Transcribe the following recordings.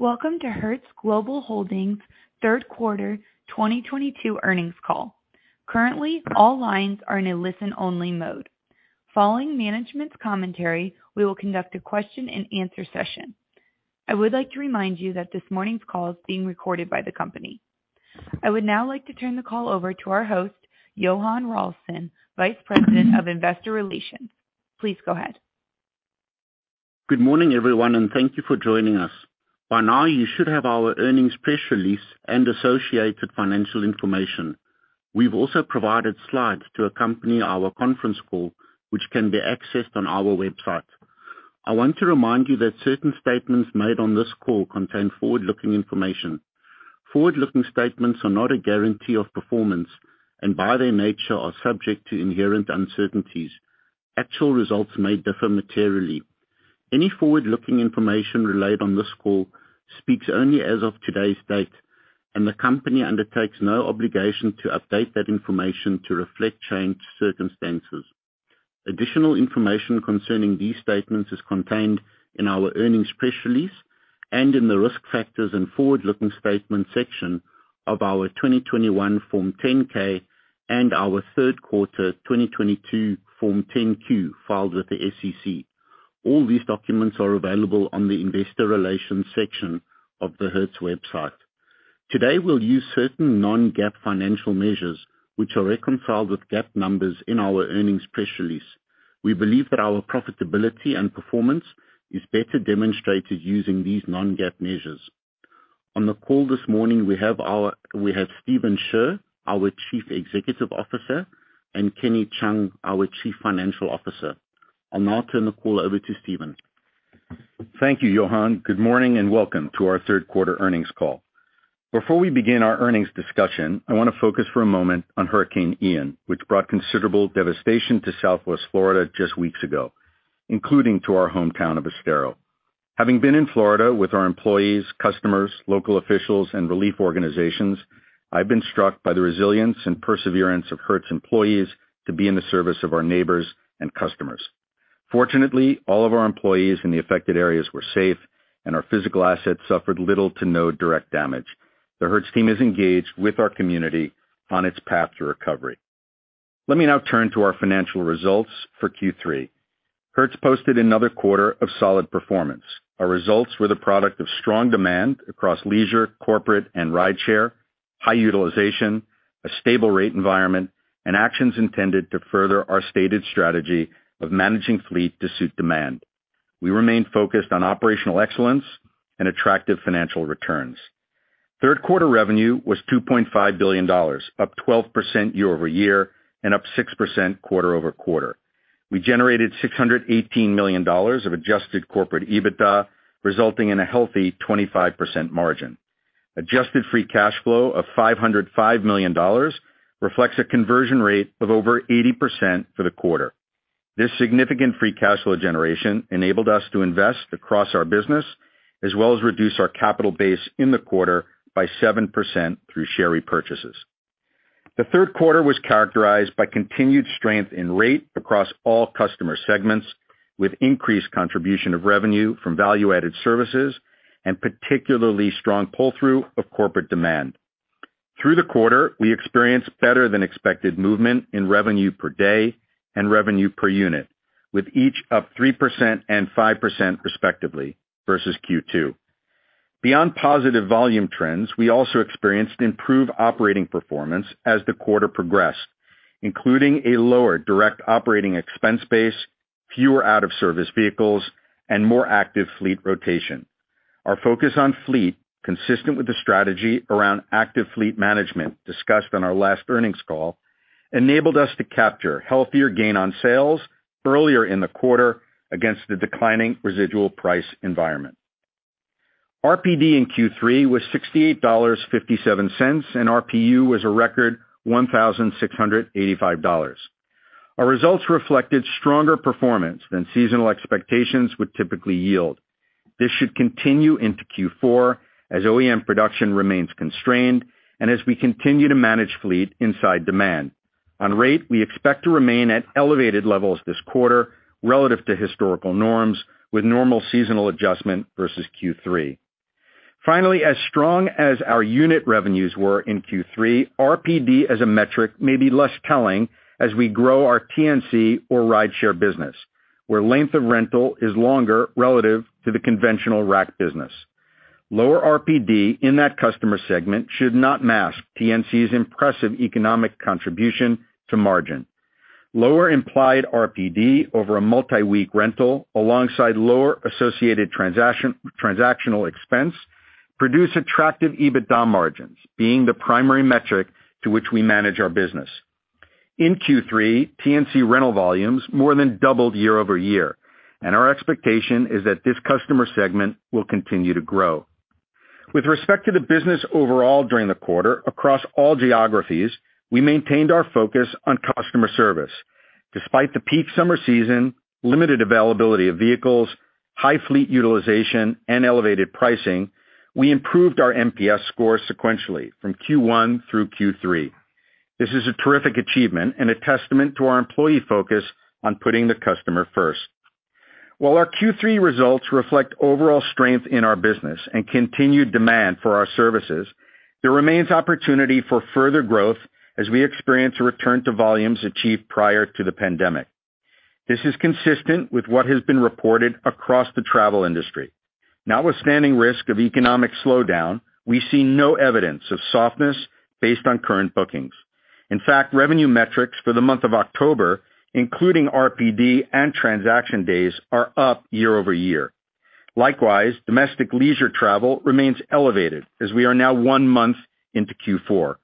Welcome to Hertz Global Holdings Third Quarter 2022 Earnings Call. Currently, all lines are in a listen-only mode. Following management's commentary, we will conduct a question-and-answer session. I would like to remind you that this morning's call is being recorded by the company. I would now like to turn the call over to our host, Johann Rawlinson, Vice President of Investor Relations. Please go ahead. Good morning, everyone, and thank you for joining us. By now, you should have our earnings press release and associated financial information. We've also provided slides to accompany our conference call, which can be accessed on our website. I want to remind you that certain statements made on this call contain forward-looking information. Forward-looking statements are not a guarantee of performance and, by their nature, are subject to inherent uncertainties. Actual results may differ materially. Any forward-looking information relayed on this call speaks only as of today's date, and the company undertakes no obligation to update that information to reflect changed circumstances. Additional information concerning these statements is contained in our earnings press release and in the Risk Factors and Forward-Looking Statements section of our 2021 Form 10-K and our third quarter 2022 Form 10-Q filed with the SEC. All these documents are available on the Investor Relations section of the Hertz website. Today, we'll use certain non-GAAP financial measures which are reconciled with GAAP numbers in our earnings press release. We believe that our profitability and performance is better demonstrated using these non-GAAP measures. On the call this morning, we have Stephen Scherr, our Chief Executive Officer, and Kenny Cheung, our Chief Financial Officer. I'll now turn the call over to Stephen. Thank you, Johann. Good morning, and welcome to our third quarter earnings call. Before we begin our earnings discussion, I wanna focus for a moment on Hurricane Ian, which brought considerable devastation to Southwest Florida just weeks ago, including to our hometown of Estero. Having been in Florida with our employees, customers, local officials, and relief organizations, I've been struck by the resilience and perseverance of Hertz employees to be in the service of our neighbors and customers. Fortunately, all of our employees in the affected areas were safe, and our physical assets suffered little to no direct damage. The Hertz team is engaged with our community on its path to recovery. Let me now turn to our financial results for Q3. Hertz posted another quarter of solid performance. Our results were the product of strong demand across leisure, corporate, and rideshare, high utilization, a stable rate environment, and actions intended to further our stated strategy of managing fleet to suit demand. We remain focused on operational excellence and attractive financial returns. Third quarter revenue was $2.5 billion, up 12% year-over-year and up 6% quarter-over-quarter. We generated $618 million of adjusted corporate EBITDA, resulting in a healthy 25% margin. Adjusted free cash flow of $505 million reflects a conversion rate of over 80% for the quarter. This significant free cash flow generation enabled us to invest across our business, as well as reduce our capital base in the quarter by 7% through share repurchases. The third quarter was characterized by continued strength in rate across all customer segments, with increased contribution of revenue from value-added services and particularly strong pull-through of corporate demand. Through the quarter, we experienced better than expected movement in revenue per day and revenue per unit, with each up 3% and 5% respectively versus Q2. Beyond positive volume trends, we also experienced improved operating performance as the quarter progressed, including a lower direct operating expense base, fewer out of service vehicles, and more active fleet rotation. Our focus on fleet, consistent with the strategy around active fleet management discussed on our last earnings call, enabled us to capture healthier gain on sales earlier in the quarter against the declining residual price environment. RPD in Q3 was $68.57, and RPU was a record $1,685. Our results reflected stronger performance than seasonal expectations would typically yield. This should continue into Q4 as OEM production remains constrained and as we continue to manage fleet inside demand. On rate, we expect to remain at elevated levels this quarter relative to historical norms, with normal seasonal adjustment versus Q3. Finally, as strong as our unit revenues were in Q3, RPD as a metric may be less telling as we grow our TNC or rideshare business, where length of rental is longer relative to the conventional rack business. Lower RPD in that customer segment should not mask TNC's impressive economic contribution to margin. Lower implied RPD over a multi-week rental alongside lower associated transactional expense produce attractive EBITDA margins being the primary metric to which we manage our business. In Q3, TNC rental volumes more than doubled year-over-year, and our expectation is that this customer segment will continue to grow. With respect to the business overall during the quarter across all geographies, we maintained our focus on customer service. Despite the peak summer season, limited availability of vehicles, high fleet utilization, and elevated pricing, we improved our NPS score sequentially from Q1 through Q3. This is a terrific achievement and a testament to our employee focus on putting the customer first. While our Q3 results reflect overall strength in our business and continued demand for our services, there remains opportunity for further growth as we experience a return to volumes achieved prior to the pandemic. This is consistent with what has been reported across the travel industry. Notwithstanding risk of economic slowdown, we see no evidence of softness based on current bookings. In fact, revenue metrics for the month of October, including RPD and transaction days, are up year-over-year. Likewise, domestic leisure travel remains elevated as we are now one month into Q4.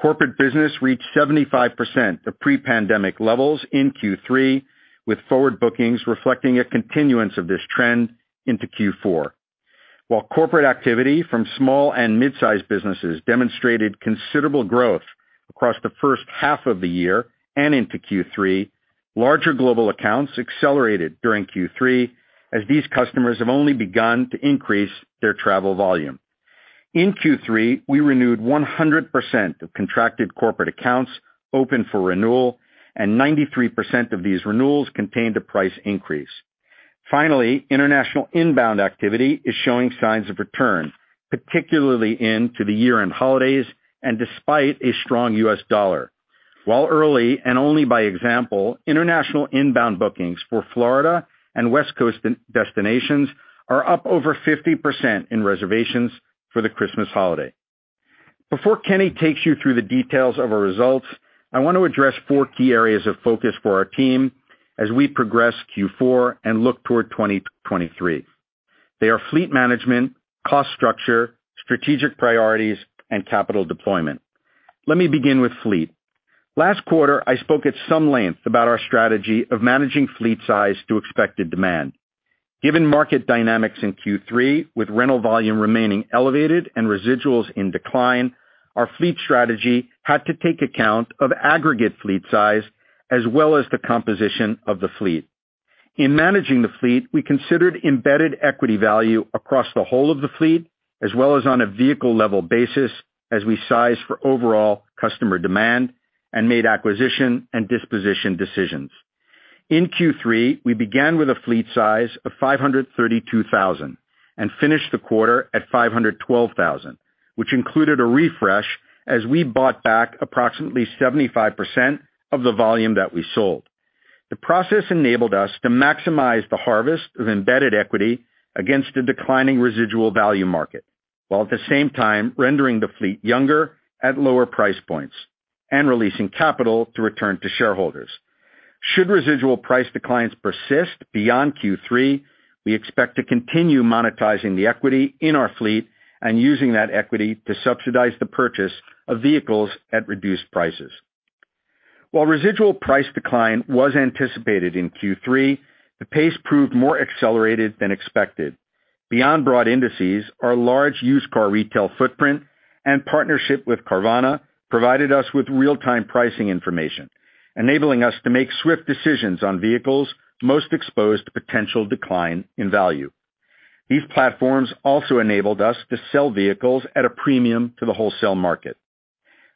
Corporate business reached 75% of pre-pandemic levels in Q3, with forward bookings reflecting a continuance of this trend into Q4. While corporate activity from small and mid-sized businesses demonstrated considerable growth across the first half of the year and into Q3, larger global accounts accelerated during Q3 as these customers have only begun to increase their travel volume. In Q3, we renewed 100% of contracted corporate accounts open for renewal, and 93% of these renewals contained a price increase. Finally, international inbound activity is showing signs of return, particularly into the year-end holidays and despite a strong U.S. dollar. While early and only by way of example, international inbound bookings for Florida and West Coast destinations are up over 50% in reservations for the Christmas holiday. Before Kenny takes you through the details of our results, I want to address four key areas of focus for our team as we progress Q4 and look toward 2023. They are fleet management, cost structure, strategic priorities, and capital deployment. Let me begin with fleet. Last quarter, I spoke at some length about our strategy of managing fleet size to expected demand. Given market dynamics in Q3 with rental volume remaining elevated and residuals in decline, our fleet strategy had to take account of aggregate fleet size as well as the composition of the fleet. In managing the fleet, we considered embedded equity value across the whole of the fleet, as well as on a vehicle level basis as we sized for overall customer demand and made acquisition and disposition decisions. In Q3, we began with a fleet size of 532,000 and finished the quarter at 512,000, which included a refresh as we bought back approximately 75% of the volume that we sold. The process enabled us to maximize the harvest of embedded equity against a declining residual value market, while at the same time rendering the fleet younger at lower price points and releasing capital to return to shareholders. Should residual price declines persist beyond Q3, we expect to continue monetizing the equity in our fleet and using that equity to subsidize the purchase of vehicles at reduced prices. While residual price decline was anticipated in Q3, the pace proved more accelerated than expected. Beyond broad indices, our large used car retail footprint and partnership with Carvana provided us with real-time pricing information, enabling us to make swift decisions on vehicles most exposed to potential decline in value. These platforms also enabled us to sell vehicles at a premium to the wholesale market.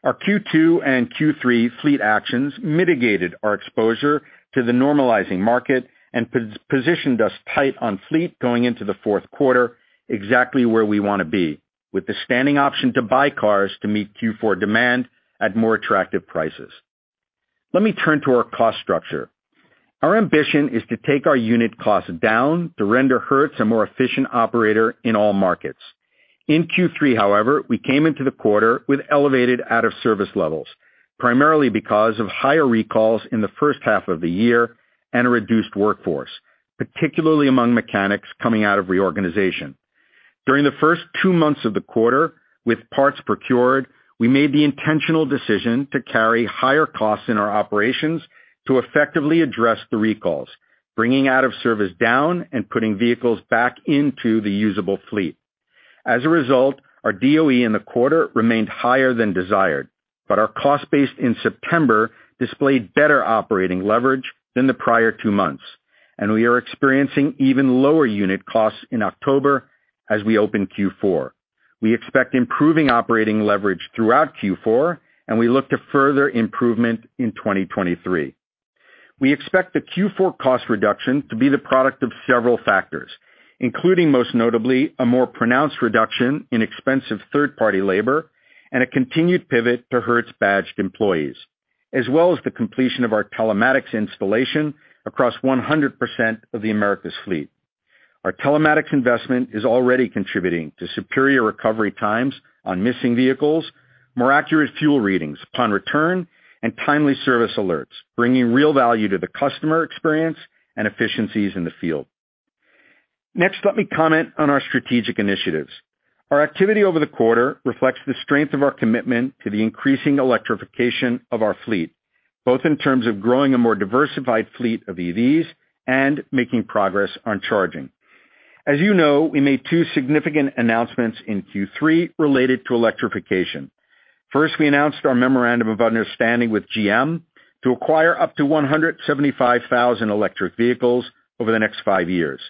Our Q2 and Q3 fleet actions mitigated our exposure to the normalizing market and positioned us tight on fleet going into the fourth quarter, exactly where we wanna be, with the standing option to buy cars to meet Q4 demand at more attractive prices. Let me turn to our cost structure. Our ambition is to take our unit costs down to render Hertz a more efficient operator in all markets. In Q3, however, we came into the quarter with elevated out of service levels, primarily because of higher recalls in the first half of the year and a reduced workforce, particularly among mechanics coming out of reorganization. During the first two months of the quarter, with parts procured, we made the intentional decision to carry higher costs in our operations to effectively address the recalls, bringing out of service down and putting vehicles back into the usable fleet. As a result, our DOE in the quarter remained higher than desired, but our cost base in September displayed better operating leverage than the prior two months, and we are experiencing even lower unit costs in October as we open Q4. We expect improving operating leverage throughout Q4, and we look to further improvement in 2023. We expect the Q4 cost reduction to be the product of several factors, including, most notably, a more pronounced reduction in expensive third-party labor and a continued pivot to Hertz-badged employees, as well as the completion of our telematics installation across 100% of the Americas fleet. Our telematics investment is already contributing to superior recovery times on missing vehicles, more accurate fuel readings upon return, and timely service alerts, bringing real value to the customer experience and efficiencies in the field. Next, let me comment on our strategic initiatives. Our activity over the quarter reflects the strength of our commitment to the increasing electrification of our fleet, both in terms of growing a more diversified fleet of EVs and making progress on charging. As you know, we made two significant announcements in Q3 related to electrification. First, we announced our memorandum of understanding with GM to acquire up to 175,000 electric vehicles over the next five years.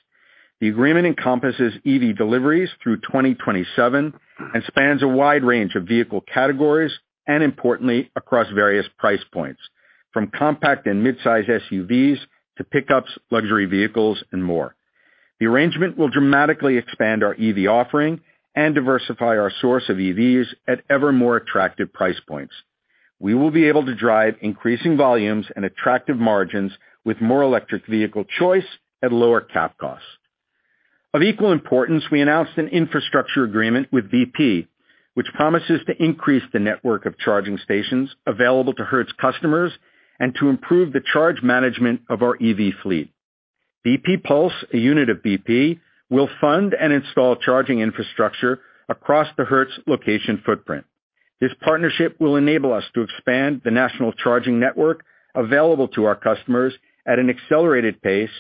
The agreement encompasses EV deliveries through 2027 and spans a wide range of vehicle categories and importantly, across various price points, from compact and mid-size SUVs to pickups, luxury vehicles and more. The arrangement will dramatically expand our EV offering and diversify our source of EVs at ever more attractive price points. We will be able to drive increasing volumes and attractive margins with more electric vehicle choice at lower cap costs. Of equal importance, we announced an infrastructure agreement with BP, which promises to increase the network of charging stations available to Hertz customers and to improve the charge management of our EV fleet. BP pulse, a unit of BP, will fund and install charging infrastructure across the Hertz location footprint. This partnership will enable us to expand the national charging network available to our customers at an accelerated pace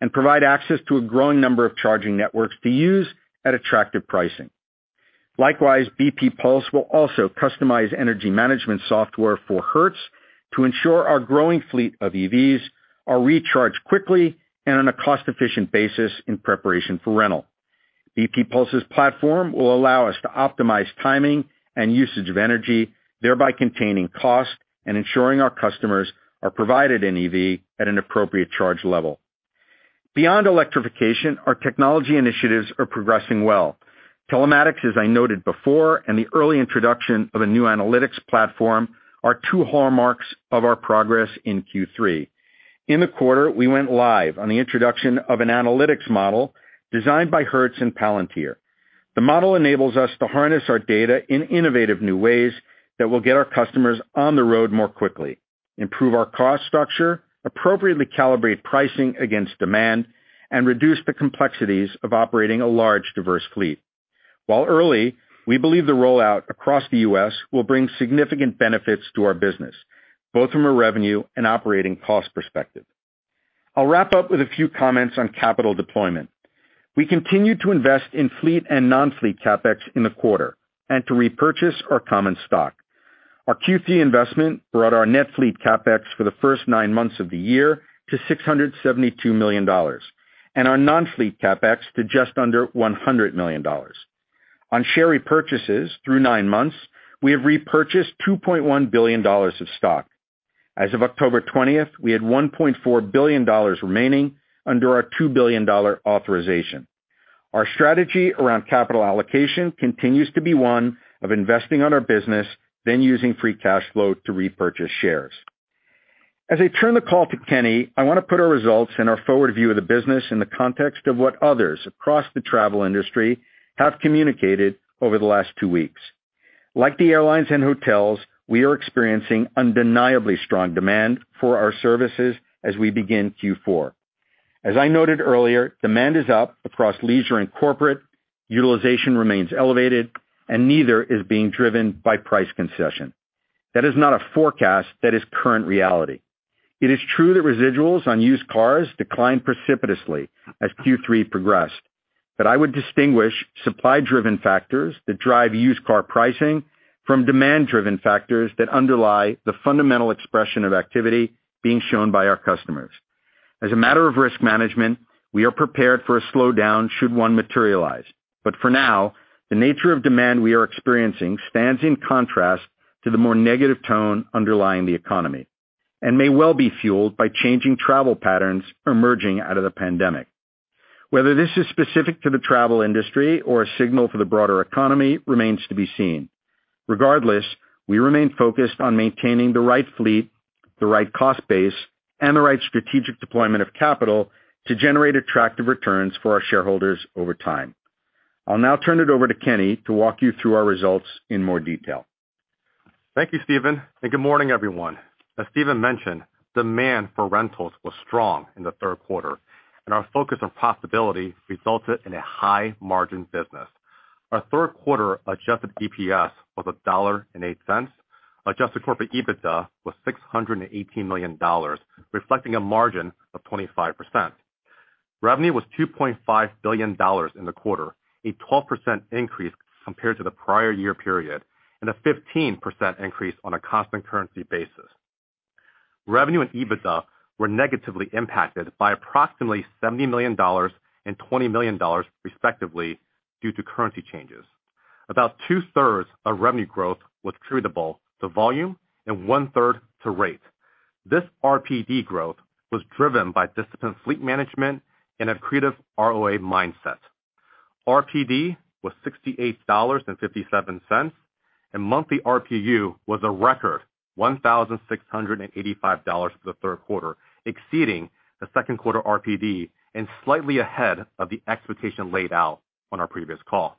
and provide access to a growing number of charging networks to use at attractive pricing. Likewise, BP pulse will also customize energy management software for Hertz to ensure our growing fleet of EVs are recharged quickly and on a cost-efficient basis in preparation for rental. BP pulse's platform will allow us to optimize timing and usage of energy, thereby containing costs and ensuring our customers are provided an EV at an appropriate charge level. Beyond electrification, our technology initiatives are progressing well. Telematics, as I noted before, and the early introduction of a new analytics platform are two hallmarks of our progress in Q3. In the quarter, we went live on the introduction of an analytics model designed by Hertz and Palantir. The model enables us to harness our data in innovative new ways that will get our customers on the road more quickly, improve our cost structure, appropriately calibrate pricing against demand, and reduce the complexities of operating a large, diverse fleet. While early, we believe the rollout across the U.S. will bring significant benefits to our business, both from a revenue and operating cost perspective. I'll wrap up with a few comments on capital deployment. We continue to invest in fleet and non-fleet CapEx in the quarter and to repurchase our common stock. Our Q3 investment brought our net fleet CapEx for the first nine months of the year to $672 million, and our non-fleet CapEx to just under $100 million. On share repurchases through nine months, we have repurchased $2.1 billion of stock. As of October twentieth, we had $1.4 billion remaining under our $2 billion authorization. Our strategy around capital allocation continues to be one of investing on our business, then using free cash flow to repurchase shares. As I turn the call to Kenny, I want to put our results and our forward view of the business in the context of what others across the travel industry have communicated over the last two weeks. Like the airlines and hotels, we are experiencing undeniably strong demand for our services as we begin Q4. As I noted earlier, demand is up across leisure and corporate, utilization remains elevated, and neither is being driven by price concession. That is not a forecast, that is current reality. It is true that residuals on used cars declined precipitously as Q3 progressed, but I would distinguish supply-driven factors that drive used car pricing from demand-driven factors that underlie the fundamental expression of activity being shown by our customers. As a matter of risk management, we are prepared for a slowdown should one materialize. For now, the nature of demand we are experiencing stands in contrast to the more negative tone underlying the economy and may well be fueled by changing travel patterns emerging out of the pandemic. Whether this is specific to the travel industry or a signal for the broader economy remains to be seen. Regardless, we remain focused on maintaining the right fleet, the right cost base, and the right strategic deployment of capital to generate attractive returns for our shareholders over time. I'll now turn it over to Kenny to walk you through our results in more detail. Thank you, Stephen, and good morning, everyone. As Stephen mentioned, demand for rentals was strong in the third quarter, and our focus on profitability resulted in a high-margin business. Our third quarter adjusted EPS was $1.08. Adjusted corporate EBITDA was $618 million, reflecting a margin of 25%. Revenue was $2.5 billion in the quarter, a 12% increase compared to the prior year period and a 15% increase on a constant currency basis. Revenue and EBITDA were negatively impacted by approximately $70 million and $20 million, respectively, due to currency changes. About 2/3 of revenue growth was attributable to volume and 1/3 to rate. This RPD growth was driven by disciplined fleet management and accretive ROA mindset. RPD was $68.57, and monthly RPU was a record $1,685 for the third quarter, exceeding the second quarter RPD and slightly ahead of the expectation laid out on our previous call.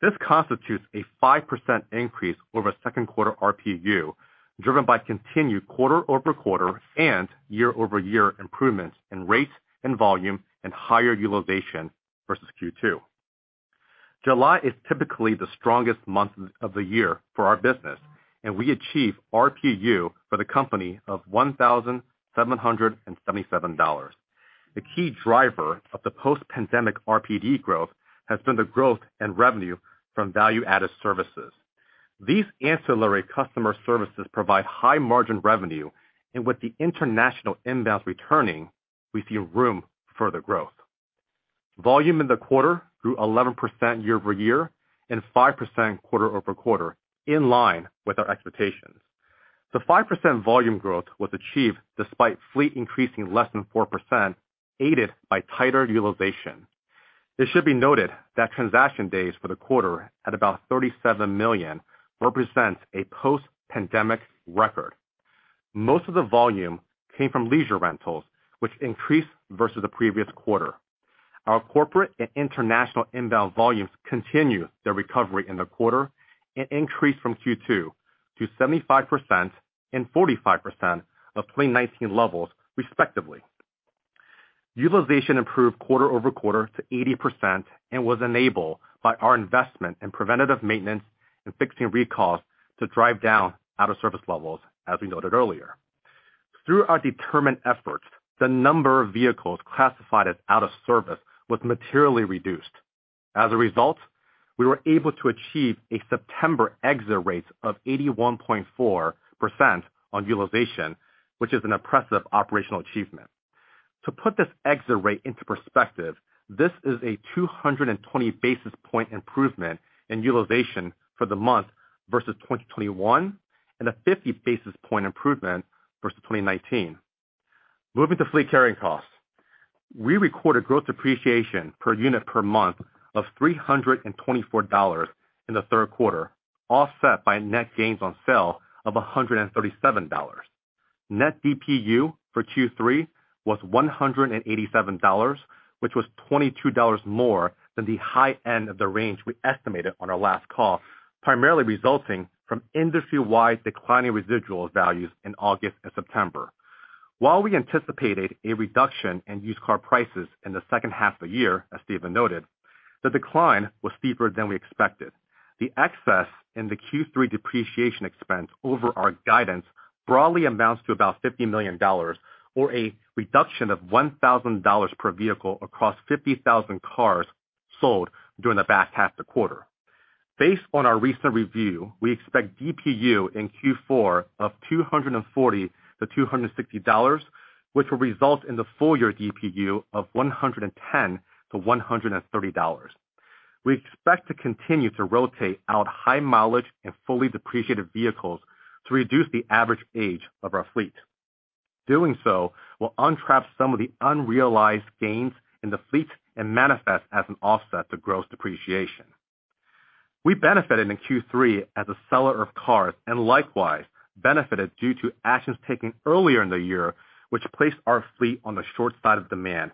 This constitutes a 5% increase over second quarter RPU, driven by continued quarter-over-quarter and year-over-year improvements in rates and volume and higher utilization versus Q2. July is typically the strongest month of the year for our business, and we achieved RPU for the company of $1,777. The key driver of the post-pandemic RPD growth has been the growth in revenue from value-added services. These ancillary customer services provide high margin revenue, and with the international inbounds returning, we see room for further growth. Volume in the quarter grew 11% year-over-year and 5% quarter-over-quarter, in line with our expectations. The 5% volume growth was achieved despite fleet increasing less than 4%, aided by tighter utilization. It should be noted that transaction days for the quarter at about 37 million represents a post-pandemic record. Most of the volume came from leisure rentals, which increased versus the previous quarter. Our corporate and international inbound volumes continued their recovery in the quarter and increased from Q2 to 75% and 45% of 2019 levels, respectively. Utilization improved quarter-over-quarter to 80% and was enabled by our investment in preventative maintenance and fixing recalls to drive down out-of-service levels, as we noted earlier. Through our determined efforts, the number of vehicles classified as out-of-service was materially reduced. As a result, we were able to achieve a September exit rate of 81.4% on utilization, which is an impressive operational achievement. To put this exit rate into perspective, this is a 220 basis point improvement in utilization for the month versus 2021 and a 50 basis point improvement versus 2019. Moving to fleet carrying costs. We recorded gross depreciation per unit per month of $324 in the third quarter, offset by net gains on sale of $137. Net DPU for Q3 was $187, which was $22 more than the high end of the range we estimated on our last call, primarily resulting from industry-wide declining residual values in August and September. While we anticipated a reduction in used car prices in the second half of the year, as Stephen noted, the decline was steeper than we expected. The excess in the Q3 depreciation expense over our guidance broadly amounts to about $50 million or a reduction of $1,000 per vehicle across 50,000 cars sold during the back half the quarter. Based on our recent review, we expect DPU in Q4 of $240-$260, which will result in the full year DPU of $110-$130. We expect to continue to rotate out high mileage and fully depreciated vehicles to reduce the average age of our fleet. Doing so will untrap some of the unrealized gains in the fleet and manifest as an offset to gross depreciation. We benefited in Q3 as a seller of cars and likewise benefited due to actions taken earlier in the year, which placed our fleet on the short side of demand.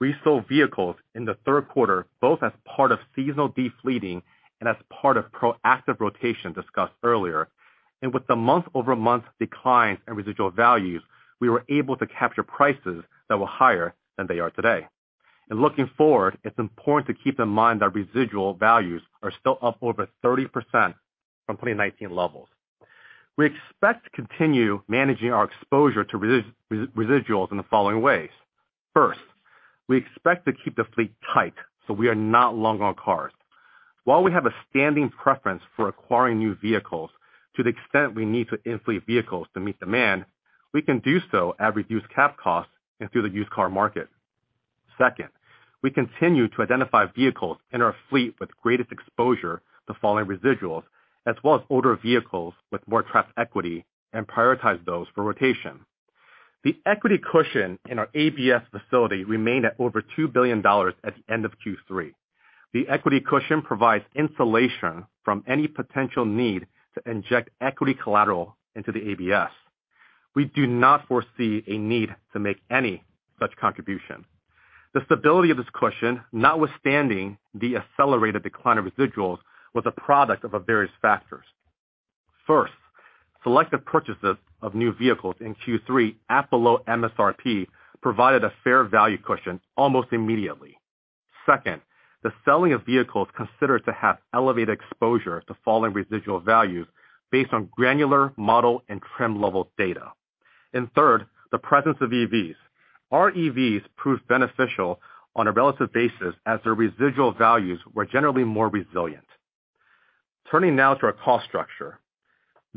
We sold vehicles in the third quarter, both as part of seasonal de-fleeting and as part of proactive rotation discussed earlier. With the month-over-month declines in residual values, we were able to capture prices that were higher than they are today. Looking forward, it's important to keep in mind that residual values are still up over 30% from 2019 levels. We expect to continue managing our exposure to residuals in the following ways. First, we expect to keep the fleet tight, so we are not long on cars. While we have a standing preference for acquiring new vehicles to the extent we need to inflate vehicles to meet demand, we can do so at reduced cap costs and through the used car market. Second, we continue to identify vehicles in our fleet with greatest exposure to falling residuals as well as older vehicles with more trapped equity and prioritize those for rotation. The equity cushion in our ABS facility remained at over $2 billion at the end of Q3. The equity cushion provides insulation from any potential need to inject equity collateral into the ABS. We do not foresee a need to make any such contribution. The stability of this cushion, notwithstanding the accelerated decline of residuals, was a product of various factors. First, selective purchases of new vehicles in Q3 at below MSRP provided a fair value cushion almost immediately. Second, the selling of vehicles considered to have elevated exposure to falling residual values based on granular model and trim level data. Third, the presence of EVs. Our EVs proved beneficial on a relative basis as their residual values were generally more resilient. Turning now to our cost structure.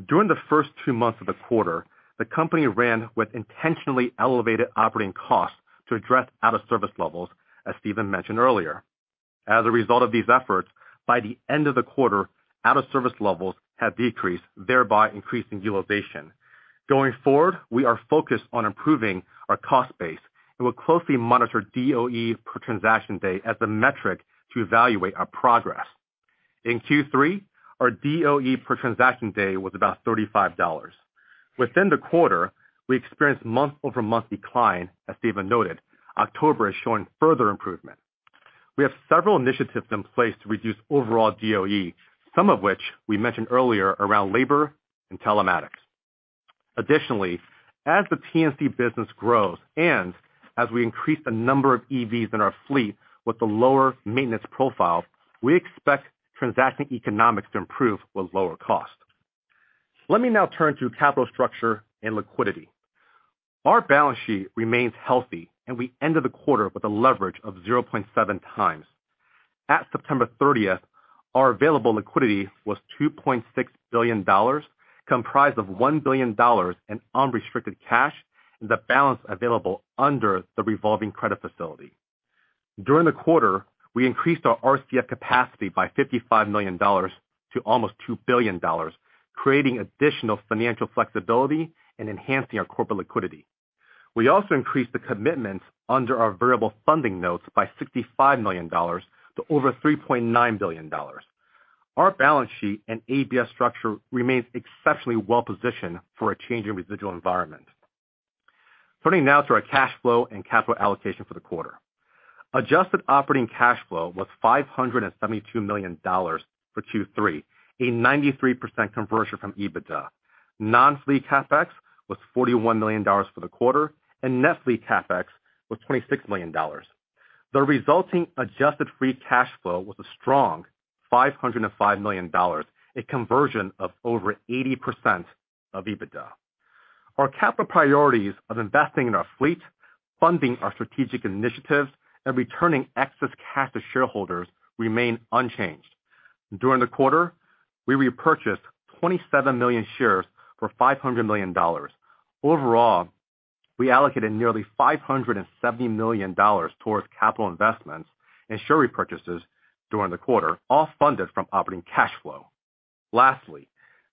During the first two months of the quarter, the company ran with intentionally elevated operating costs to address out-of-service levels, as Stephen mentioned earlier. As a result of these efforts, by the end of the quarter, out-of-service levels have decreased, thereby increasing utilization. Going forward, we are focused on improving our cost base and will closely monitor DOE per transaction day as a metric to evaluate our progress. In Q3, our DOE per transaction day was about $35. Within the quarter, we experienced month-over-month decline, as Stephen noted. October is showing further improvement. We have several initiatives in place to reduce overall DOE, some of which we mentioned earlier around labor and telematics. Additionally, as the TNC business grows and as we increase the number of EVs in our fleet with a lower maintenance profile, we expect transaction economics to improve with lower cost. Let me now turn to capital structure and liquidity. Our balance sheet remains healthy, and we ended the quarter with a leverage of 0.7 times. At September 30th, our available liquidity was $2.6 billion, comprised of $1 billion in unrestricted cash and the balance available under the revolving credit facility. During the quarter, we increased our RCF capacity by $55 million to almost $2 billion, creating additional financial flexibility and enhancing our corporate liquidity. We also increased the commitments under our variable funding notes by $65 million to over $3.9 billion. Our balance sheet and ABS structure remains exceptionally well positioned for a change in residual environment. Turning now to our cash flow and capital allocation for the quarter. Adjusted operating cash flow was $572 million for Q3, a 93% conversion from EBITDA. Non-fleet CapEx was $41 million for the quarter, and net fleet CapEx was $26 million. The resulting adjusted free cash flow was a strong $505 million, a conversion of over 80% of EBITDA. Our capital priorities of investing in our fleet, funding our strategic initiatives, and returning excess cash to shareholders remain unchanged. During the quarter, we repurchased 27 million shares for $500 million. Overall, we allocated nearly $570 million towards capital investments and share repurchases during the quarter, all funded from operating cash flow. Lastly,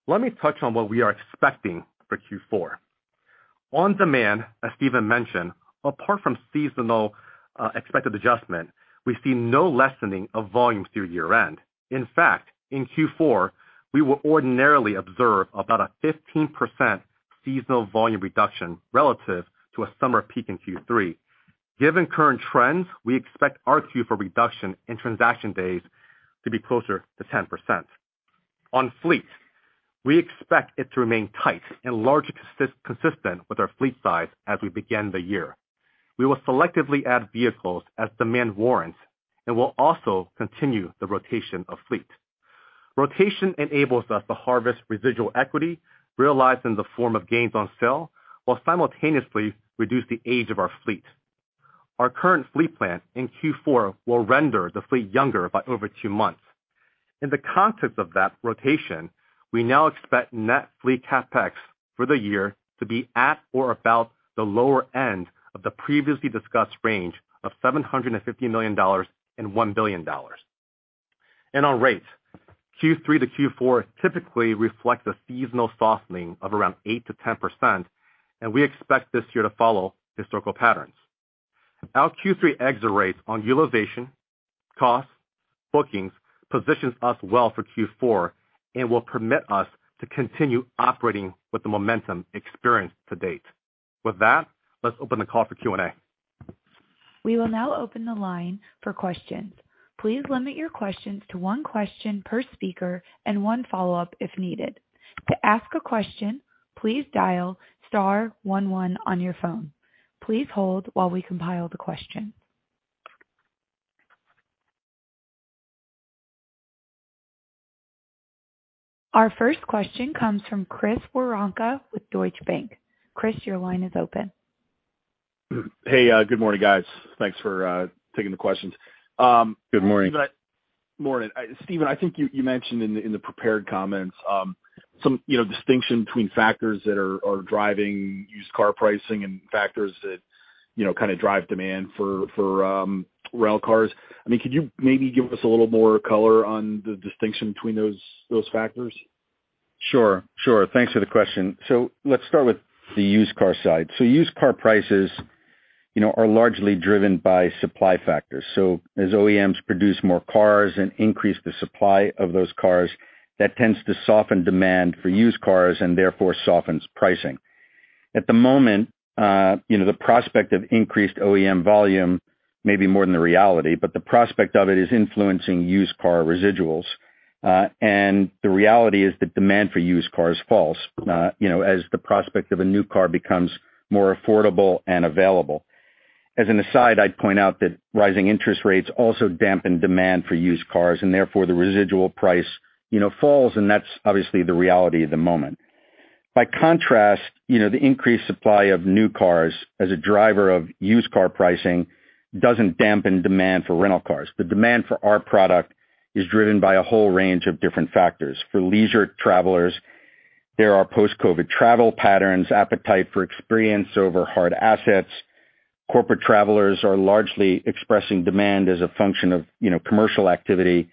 let me touch on what we are expecting for Q4. On demand, as Stephen mentioned, apart from seasonal expected adjustment, we see no lessening of volume through year-end. In fact, in Q4, we will ordinarily observe about a 15% seasonal volume reduction relative to a summer peak in Q3. Given current trends, we expect our Q4 reduction in transaction days to be closer to 10%. On fleet, we expect it to remain tight and largely consistent with our fleet size as we begin the year. We will selectively add vehicles as demand warrants and will also continue the rotation of fleet. Rotation enables us to harvest residual equity realized in the form of gains on sale while simultaneously reduce the age of our fleet. Our current fleet plan in Q4 will render the fleet younger by over 2 months. In the context of that rotation, we now expect net fleet CapEx for the year to be at or about the lower end of the previously discussed range of $750 million-$1 billion. On rates, Q3 to Q4 typically reflects a seasonal softening of around 8%-10%, and we expect this year to follow historical patterns. Our Q3 exit rates on utilization, costs, bookings positions us well for Q4 and will permit us to continue operating with the momentum experienced to date. With that, let's open the call for Q&A. We will now open the line for questions. Please limit your questions to one question per speaker and one follow-up if needed. To ask a question, please dial star one one on your phone. Please hold while we compile the question. Our first question comes from Chris Woronka with Deutsche Bank. Chris, your line is open. Hey, good morning, guys. Thanks for taking the questions. Good morning. Morning. Stephen, I think you mentioned in the prepared comments some you know distinction between factors that are driving used car pricing and factors that you know kind of drive demand for rental cars. I mean, could you maybe give us a little more color on the distinction between those factors? Sure. Thanks for the question. Let's start with the used car side. Used car prices, you know, are largely driven by supply factors. As OEMs produce more cars and increase the supply of those cars, that tends to soften demand for used cars and therefore softens pricing. At the moment, you know, the prospect of increased OEM volume may be more than the reality, but the prospect of it is influencing used car residuals. The reality is that demand for used cars falls, you know, as the prospect of a new car becomes more affordable and available. As an aside, I'd point out that rising interest rates also dampen demand for used cars and therefore the residual price, you know, falls, and that's obviously the reality at the moment. By contrast, you know, the increased supply of new cars as a driver of used car pricing doesn't dampen demand for rental cars. The demand for our product is driven by a whole range of different factors. For leisure travelers, there are post-COVID travel patterns, appetite for experience over hard assets. Corporate travelers are largely expressing demand as a function of, you know, commercial activity,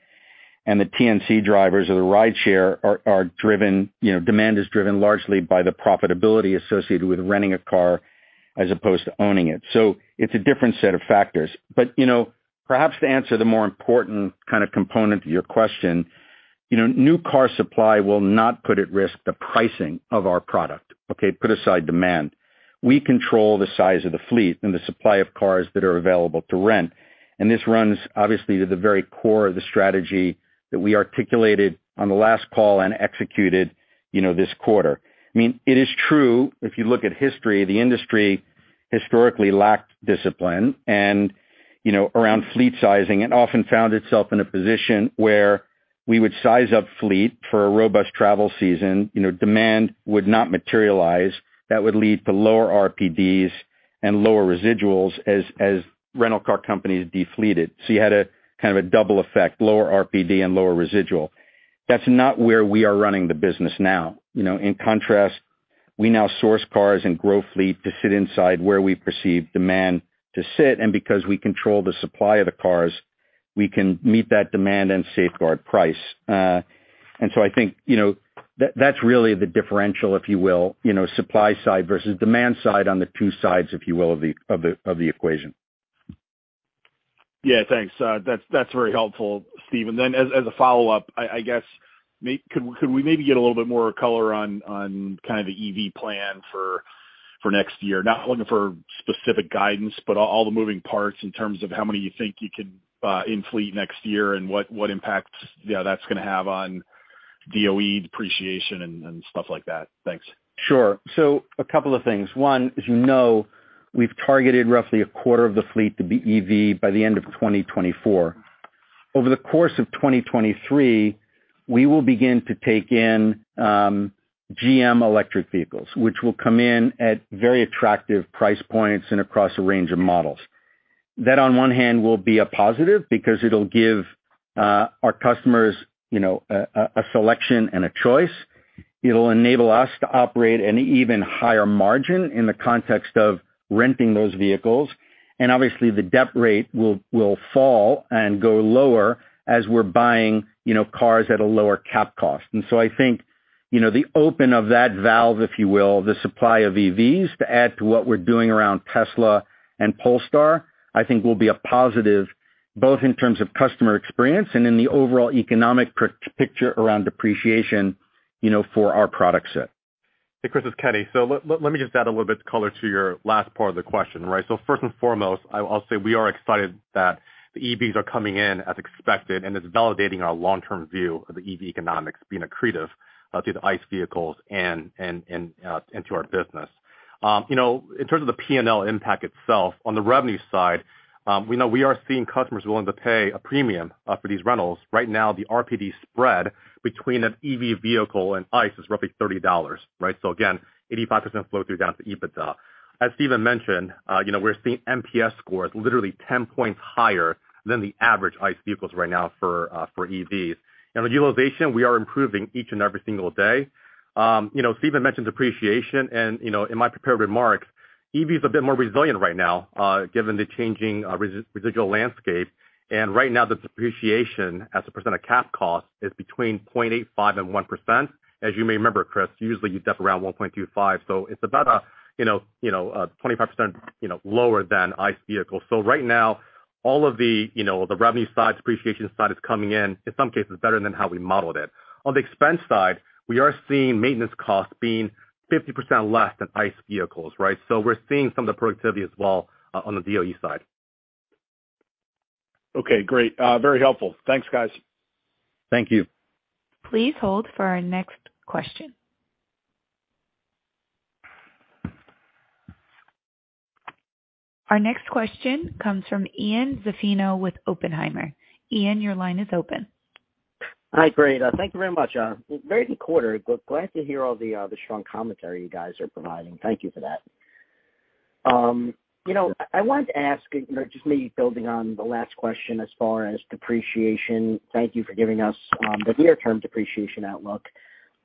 and the TNC drivers of the rideshare are driven. You know, demand is driven largely by the profitability associated with renting a car as opposed to owning it. So it's a different set of factors. But, you know, perhaps to answer the more important kind of component to your question, you know, new car supply will not put at risk the pricing of our product, okay? Put aside demand. We control the size of the fleet and the supply of cars that are available to rent, and this runs obviously to the very core of the strategy that we articulated on the last call and executed, you know, this quarter. I mean, it is true, if you look at history, the industry. Historically lacked discipline and, you know, around fleet sizing and often found itself in a position where we would size up fleet for a robust travel season, you know, demand would not materialize. That would lead to lower RPDs and lower residuals as rental car companies defleeted. You had a kind of a double effect, lower RPD and lower residual. That's not where we are running the business now. You know, in contrast, we now source cars and grow fleet to sit inside where we perceive demand to sit. Because we control the supply of the cars, we can meet that demand and safeguard price. I think, you know, that's really the differential, if you will, you know, supply side versus demand side on the two sides, if you will, of the equation. Yeah, thanks. That's very helpful, Stephen. Then as a follow-up, I guess could we maybe get a little bit more color on kind of the EV plan for next year? Not looking for specific guidance, but all the moving parts in terms of how many you think you could in fleet next year and what impacts, you know, that's gonna have on DOE depreciation and stuff like that. Thanks. Sure. A couple of things. One, as you know, we've targeted roughly a quarter of the fleet to be EV by the end of 2024. Over the course of 2023, we will begin to take in GM electric vehicles, which will come in at very attractive price points and across a range of models. That on one hand will be a positive because it'll give our customers, you know, a selection and a choice. It'll enable us to operate an even higher margin in the context of renting those vehicles. Obviously the debt rate will fall and go lower as we're buying, you know, cars at a lower cap cost. I think, you know, the open of that valve, if you will, the supply of EVs to add to what we're doing around Tesla and Polestar, I think will be a positive both in terms of customer experience and in the overall economic picture around depreciation, you know, for our product set. Hey, Chris, it's Kenny. Let me just add a little bit color to your last part of the question, right? First and foremost, I'll say we are excited that the EVs are coming in as expected, and it's validating our long-term view of the EV economics being accretive to the ICE vehicles and into our business. You know, in terms of the P&L impact itself, on the revenue side, we know we are seeing customers willing to pay a premium for these rentals. Right now, the RPD spread between an EV vehicle and ICE is roughly $30, right? Again, 85% flow through down to EBITDA. As Steven mentioned, you know, we're seeing NPS scores literally 10 points higher than the average ICE vehicles right now for EVs. Utilization, we are improving each and every single day. You know, Stephen mentions appreciation and, you know, in my prepared remarks, EV is a bit more resilient right now, given the changing, residual landscape. Right now, the depreciation as a percent of cap cost is between 0.85% and 1%. As you may remember, Chris, usually you dip around 1.25. It's about, you know, 25% lower than ICE vehicles. Right now, all of the, you know, the revenue side, depreciation side is coming in some cases better than how we modeled it. On the expense side, we are seeing maintenance costs being 50% less than ICE vehicles, right? We're seeing some of the productivity as well, on the DOE side. Okay, great. Very helpful. Thanks, guys. Thank you. Please hold for our next question. Our next question comes from Ian Zaffino with Oppenheimer. Ian, your line is open. Hi, great. Thank you very much. Very good quarter. Glad to hear all the strong commentary you guys are providing. Thank you for that. You know, I wanted to ask, you know, just maybe building on the last question as far as depreciation. Thank you for giving us the near-term depreciation outlook.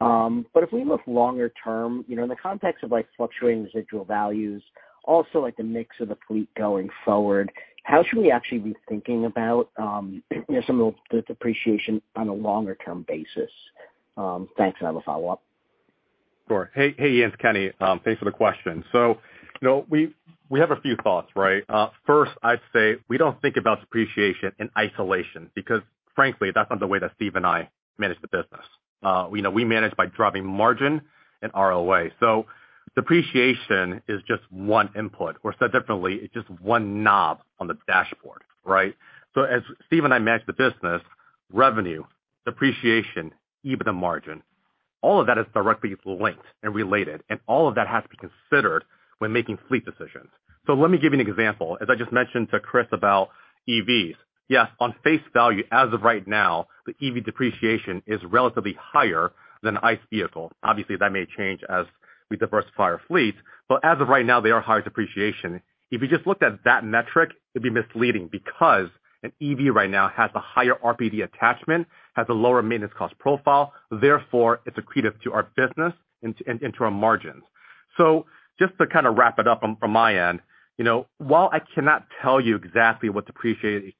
If we look longer term, you know, in the context of like fluctuating residual values, also like the mix of the fleet going forward, how should we actually be thinking about, you know, some of the depreciation on a longer-term basis? Thanks. I have a follow-up. Sure. Hey, Ian. It's Kenny. Thanks for the question. You know, we have a few thoughts, right? First, I'd say we don't think about depreciation in isolation because frankly, that's not the way that Steve and I manage the business. You know, we manage by driving margin and ROA. Depreciation is just one input, or said differently, it's just one knob on the dashboard, right? As Steven and I manage the business, revenue, depreciation, EBITDA margin, all of that is directly linked and related, and all of that has to be considered when making fleet decisions. Let me give you an example. As I just mentioned to Chris about EVs, yes, on face value, as of right now, the EV depreciation is relatively higher than an ICE vehicle. Obviously, that may change as we diversify our fleet, but as of right now, they are higher depreciation. If you just looked at that metric, it'd be misleading because an EV right now has a higher RPD attachment, has a lower maintenance cost profile, therefore it's accretive to our business and to our margins. Just to kind of wrap it up from my end, you know, while I cannot tell you exactly what depreciation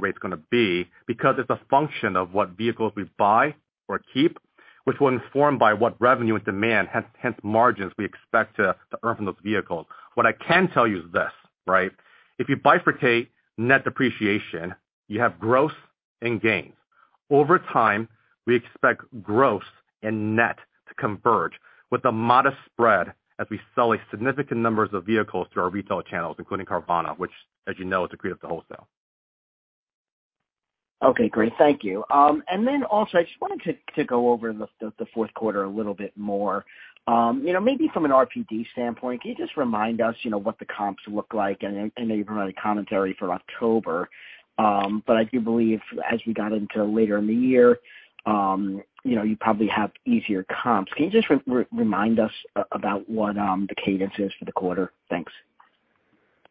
rate's gonna be because it's a function of what vehicles we buy or keep, which one's informed by what revenue and demand, hence margins we expect to earn from those vehicles. What I can tell you is this, right, if you bifurcate net depreciation, you have growth and gains. Over time, we expect growth and net to converge with a modest spread as we sell significant numbers of vehicles through our retail channels, including Carvana, which as you know, is accretive to wholesale. Okay, great. Thank you. And then also, I just wanted to go over the fourth quarter a little bit more. You know, maybe from an RPD standpoint, can you just remind us, you know, what the comps look like? I know you provided commentary for October, but I do believe as we got into later in the year, you know, you probably have easier comps. Can you just remind us about what the cadence is for the quarter? Thanks.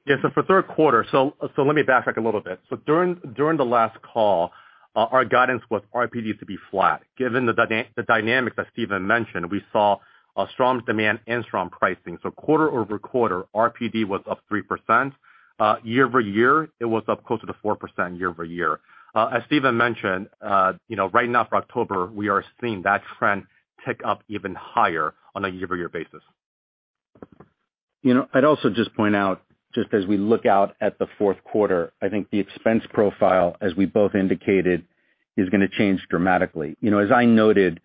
Yeah. For third quarter, let me backtrack a little bit. During the last call, our guidance was RPD to be flat. Given the dynamics that Stephen mentioned, we saw a strong demand and strong pricing. Quarter-over-quarter, RPD was up 3%. Year-over-year, it was up close to the 4% year-over-year. As Stephen mentioned, you know, right now for October, we are seeing that trend tick up even higher on a year-over-year basis. You know, I'd also just point out, just as we look out at the fourth quarter, I think the expense profile, as we both indicated, is gonna change dramatically. You know, as I noted,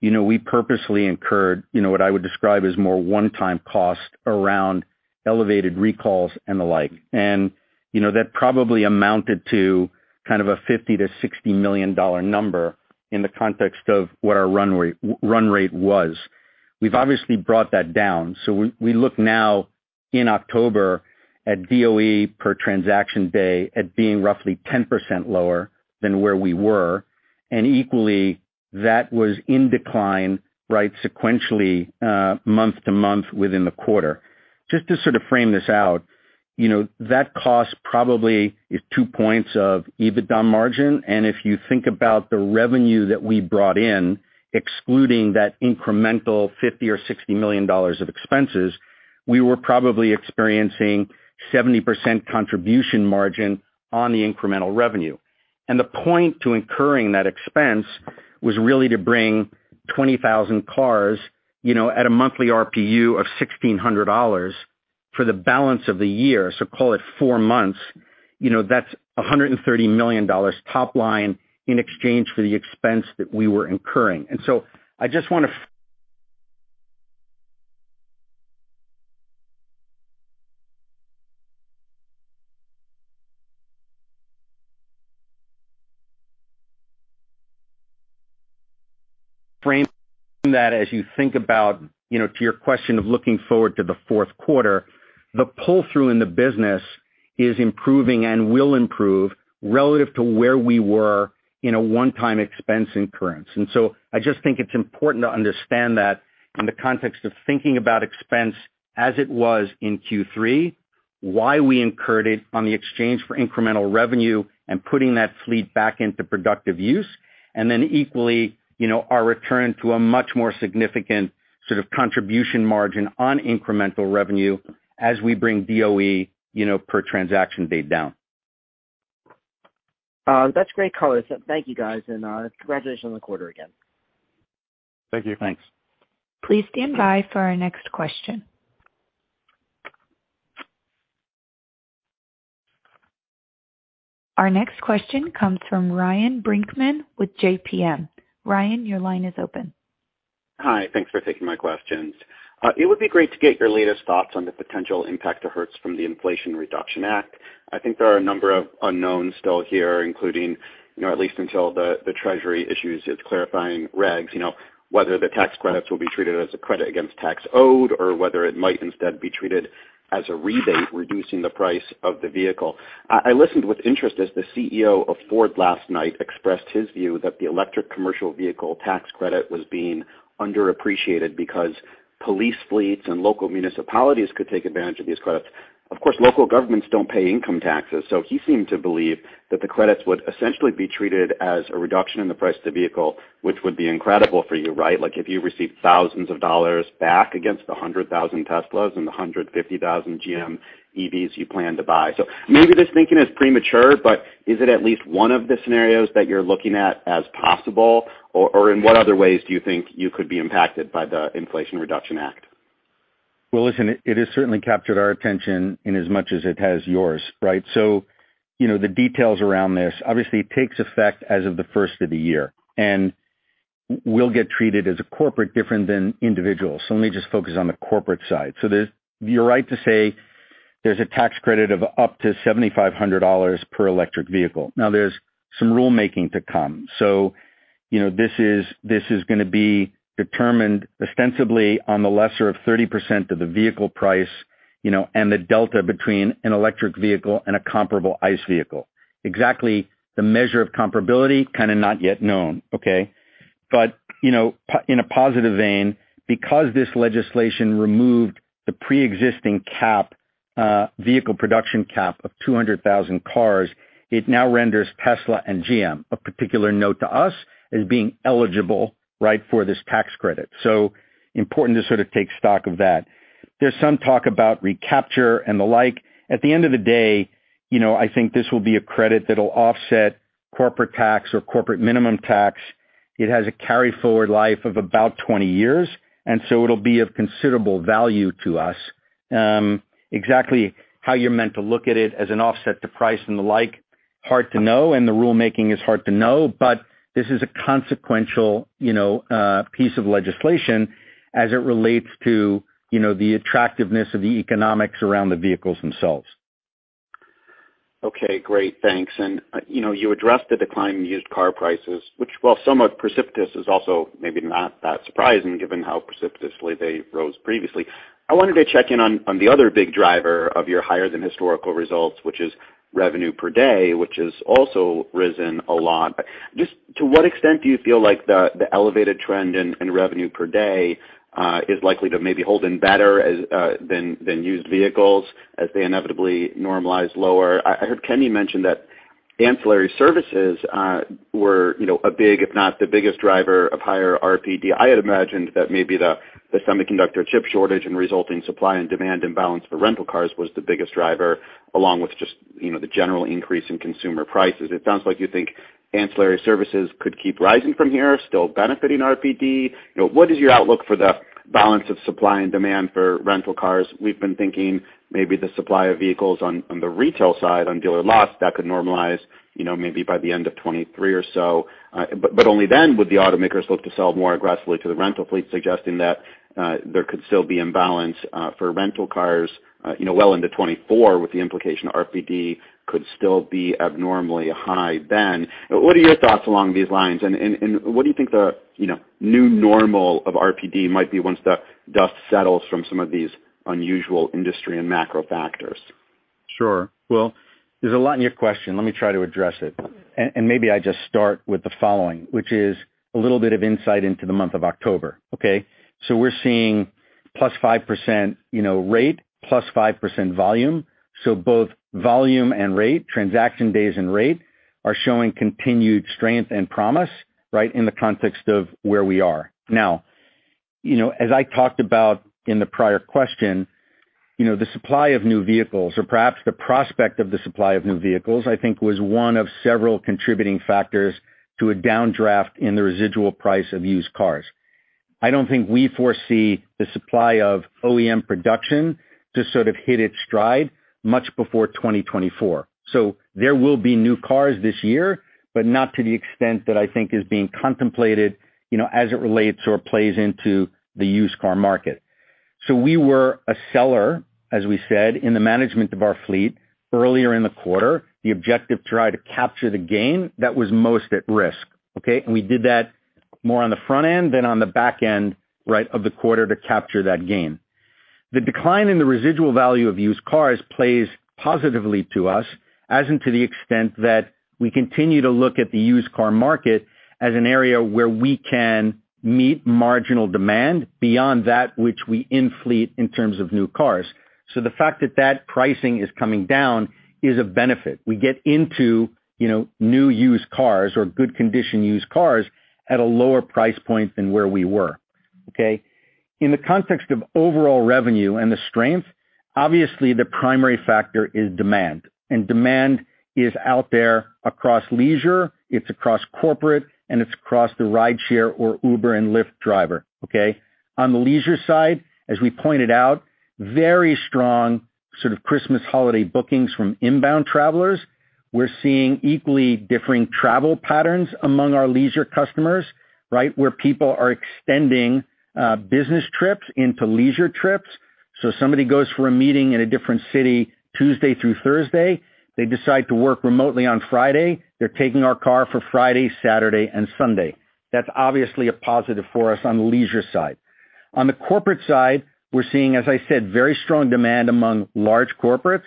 you know, we purposely incurred, you know, what I would describe as more one-time cost around elevated recalls and the like. You know, that probably amounted to kind of a $50-$60 million number in the context of what our run rate was. We've obviously brought that down. We look now in October at DOE per transaction day at being roughly 10% lower than where we were, and equally that was in decline, right, sequentially, month-to-month within the quarter. Just to sort of frame this out, you know, that cost probably is two points of EBITDA margin. If you think about the revenue that we brought in, excluding that incremental $50 million or $60 million of expenses, we were probably experiencing 70% contribution margin on the incremental revenue. The point to incurring that expense was really to bring 20,000 cars, you know, at a monthly RPU of $1,600 for the balance of the year. Call it 4 months. You know, that's $130 million top line in exchange for the expense that we were incurring. I just wanna frame that as you think about, you know, to your question of looking forward to the fourth quarter, the pull-through in the business is improving and will improve relative to where we were in a one-time expense incurrence. I just think it's important to understand that in the context of thinking about expense as it was in Q3, why we incurred it on the exchange for incremental revenue and putting that fleet back into productive use. Then equally, you know, our return to a much more significant sort of contribution margin on incremental revenue as we bring DOE, you know, per transaction date down. That's great color. Thank you, guys, and congratulations on the quarter again. Thank you. Thanks. Please stand by for our next question. Our next question comes from Ryan Brinkman with JPM. Ryan, your line is open. Hi. Thanks for taking my questions. It would be great to get your latest thoughts on the potential impact to Hertz from the Inflation Reduction Act. I think there are a number of unknowns still here, including, you know, at least until the Treasury issues its clarifying regs, you know, whether the tax credits will be treated as a credit against tax owed or whether it might instead be treated as a rebate, reducing the price of the vehicle. I listened with interest as the CEO of Ford last night expressed his view that the electric commercial vehicle tax credit was being underappreciated because police fleets and local municipalities could take advantage of these credits. Of course, local governments don't pay income taxes, so he seemed to believe that the credits would essentially be treated as a reduction in the price of the vehicle, which would be incredible for you, right? Like, if you received thousands of dollars back against the 100,000 Teslas and the 150,000 GM EVs you plan to buy. Maybe this thinking is premature, but is it at least one of the scenarios that you're looking at as possible? In what other ways do you think you could be impacted by the Inflation Reduction Act? Well, listen, it has certainly captured our attention in as much as it has yours, right? You know, the details around this obviously takes effect as of the first of the year, and we'll get treated as a corporate different than individuals. Let me just focus on the corporate side. You're right to say there's a tax credit of up to $7,500 per electric vehicle. Now, there's some rulemaking to come. You know, this is gonna be determined ostensibly on the lesser of 30% of the vehicle price, you know, and the delta between an electric vehicle and a comparable ICE vehicle. Exactly the measure of comparability, kinda not yet known, okay? You know, in a positive vein, because this legislation removed the pre-existing cap, vehicle production cap of 200,000 cars, it now renders Tesla and GM, of particular note to us, as being eligible, right, for this tax credit. Important to sort of take stock of that. There's some talk about recapture and the like. At the end of the day, you know, I think this will be a credit that'll offset corporate tax or corporate minimum tax. It has a carry forward life of about 20 years, and so it'll be of considerable value to us. Exactly how you're meant to look at it as an offset to price and the like, hard to know, and the rulemaking is hard to know. This is a consequential, you know, piece of legislation as it relates to, you know, the attractiveness of the economics around the vehicles themselves. Okay, great. Thanks. You know, you addressed the decline in used car prices, which, while somewhat precipitous, is also maybe not that surprising given how precipitously they rose previously. I wanted to check in on the other big driver of your higher than historical results, which is revenue per day, which has also risen a lot. Just to what extent do you feel like the elevated trend in revenue per day is likely to maybe hold up better than used vehicles as they inevitably normalize lower? I heard Kenny mention that ancillary services were, you know, a big if not the biggest driver of higher RPD. I had imagined that maybe the semiconductor chip shortage and resulting supply and demand imbalance for rental cars was the biggest driver along with just, you know, the general increase in consumer prices. It sounds like you think ancillary services could keep rising from here, still benefiting RPD. You know, what is your outlook for the balance of supply and demand for rental cars? We've been thinking maybe the supply of vehicles on the retail side on dealer lots, that could normalize, you know, maybe by the end of 2023 or so. But only then would the automakers look to sell more aggressively to the rental fleet, suggesting that there could still be imbalance for rental cars, you know, well into 2024, with the implication RPD could still be abnormally high then. What are your thoughts along these lines? What do you think the, you know, new normal of RPD might be once the dust settles from some of these unusual industry and macro factors? Sure. Well, there's a lot in your question. Let me try to address it. Maybe I just start with the following, which is a little bit of insight into the month of October. Okay? We're seeing +5%, you know, rate, +5% volume. Both volume and rate, transaction days and rate are showing continued strength and promise, right, in the context of where we are. Now, you know, as I talked about in the prior question, you know, the supply of new vehicles or perhaps the prospect of the supply of new vehicles, I think was one of several contributing factors to a downdraft in the residual price of used cars. I don't think we foresee the supply of OEM production to sort of hit its stride much before 2024. There will be new cars this year, but not to the extent that I think is being contemplated, you know, as it relates or plays into the used car market. We were a seller, as we said, in the management of our fleet earlier in the quarter. The objective to try to capture the gain that was most at risk, okay? And we did that more on the front end than on the back end, right, of the quarter to capture that gain. The decline in the residual value of used cars plays positively to us as in to the extent that we continue to look at the used car market as an area where we can meet marginal demand beyond that which we in fleet in terms of new cars. The fact that that pricing is coming down is a benefit. We get into, you know, new used cars or good condition used cars at a lower price point than where we were. Okay? In the context of overall revenue and the strength, obviously the primary factor is demand, and demand is out there across leisure, it's across corporate, and it's across the rideshare or Uber and Lyft driver. Okay? On the leisure side, as we pointed out, very strong sort of Christmas holiday bookings from inbound travelers. We're seeing equally differing travel patterns among our leisure customers, right? Where people are extending, business trips into leisure trips. So somebody goes for a meeting in a different city Tuesday through Thursday, they decide to work remotely on Friday, they're taking our car for Friday, Saturday and Sunday. That's obviously a positive for us on the leisure side. On the corporate side, we're seeing, as I said, very strong demand among large corporates,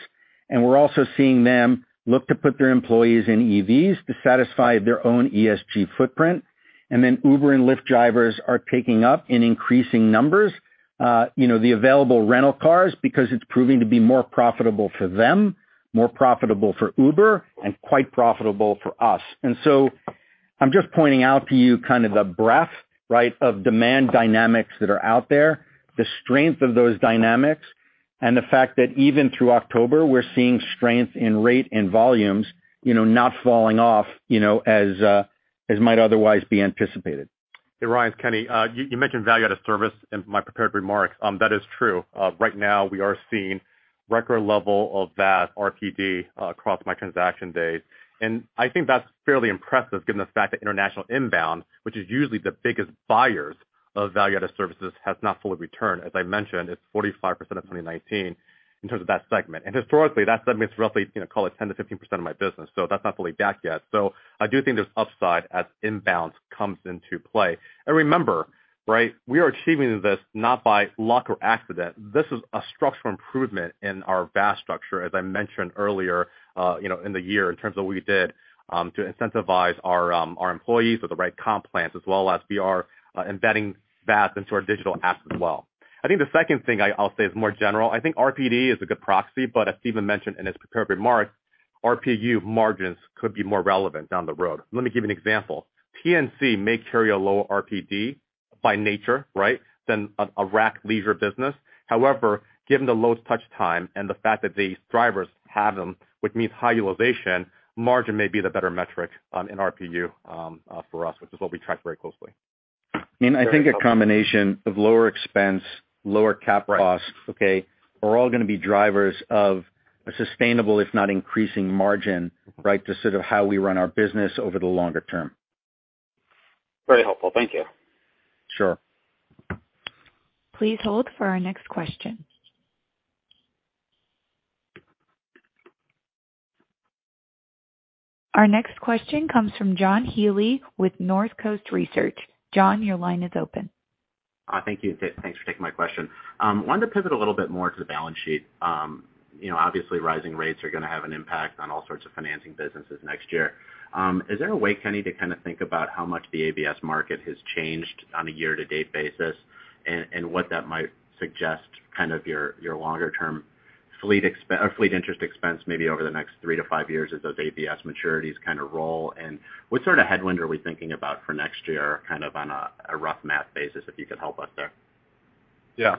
and we're also seeing them look to put their employees in EVs to satisfy their own ESG footprint. Uber and Lyft drivers are taking up in increasing numbers, you know, the available rental cars because it's proving to be more profitable for them, more profitable for Uber and quite profitable for us. I'm just pointing out to you kind of the breadth, right, of demand dynamics that are out there, the strength of those dynamics and the fact that even through October we're seeing strength in rate and volumes, you know, not falling off, you know, as might otherwise be anticipated. Hey, Ryan, it's Kenny. You mentioned value-added services in my prepared remarks. That is true. Right now we are seeing record level of that RPD across my transaction days. I think that's fairly impressive given the fact that international inbound, which is usually the biggest buyers of value-added services, has not fully returned. As I mentioned, it's 45% of 2019 in terms of that segment. Historically, that segment is roughly, you know, call it 10%-15% of my business. That's not fully back yet. I do think there's upside as inbounds comes into play. Remember, right, we are achieving this not by luck or accident. This is a structural improvement in our VaaS structure, as I mentioned earlier, you know, in the year in terms of what we did, to incentivize our employees with the right comp plans as well as we are embedding VaaS into our digital apps as well. I think the second thing I'll say is more general. I think RPD is a good proxy, but as Stephen mentioned in his prepared remarks, RPU margins could be more relevant down the road. Let me give you an example. TNC may carry a lower RPD by nature, right, than a rack leisure business. However, given the lowest touch time and the fact that these drivers have them, which means high utilization, margin may be the better metric in RPU for us, which is what we track very closely. I think a combination of lower expense, lower CapEx costs, okay, are all gonna be drivers of a sustainable if not increasing margin, right, to sort of how we run our business over the longer term. Very helpful. Thank you. Sure. Please hold for our next question. Our next question comes from John Healy with Northcoast Research. John, your line is open. Thanks for taking my question. Wanted to pivot a little bit more to the balance sheet. You know, obviously rising rates are gonna have an impact on all sorts of financing businesses next year. Is there a way, Kenny, to kind of think about how much the ABS market has changed on a year-to-date basis and what that might suggest kind of your longer term fleet interest expense maybe over the next three to five years as those ABS maturities kind of roll? What sort of headwind are we thinking about for next year, kind of on a rough math basis, if you could help us there? Yeah.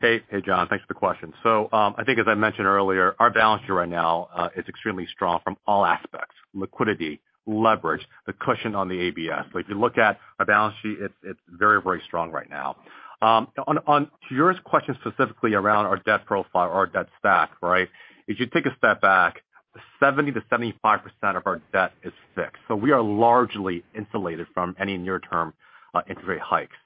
Hey. Hey, John, thanks for the question. I think as I mentioned earlier, our balance sheet right now is extremely strong from all aspects, liquidity, leverage, the cushion on the ABS. If you look at our balance sheet, it's very, very strong right now. To your question specifically around our debt profile or our debt stack, right, if you take a step back, 70%-75% of our debt is fixed, so we are largely insulated from any near-term interest rate hikes.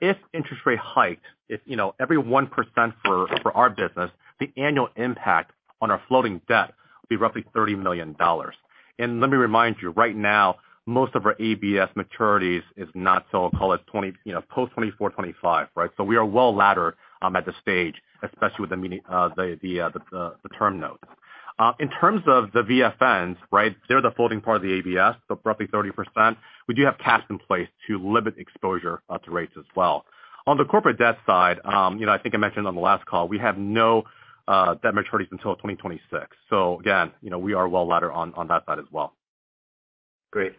If interest rate hiked, you know, every 1% for our business, the annual impact on our floating debt will be roughly $30 million. Let me remind you, right now, most of our ABS maturities is not till, call it 20, you know, post 2024, 2025, right? We are well laddered at this stage, especially with the medium-term note. In terms of the VFNs, right? They're the floating part of the ABS, so roughly 30%. We do have swaps in place to limit exposure to rates as well. On the corporate debt side, you know, I think I mentioned on the last call, we have no debt maturities until 2026. Again, you know, we are well laddered on that side as well. Great.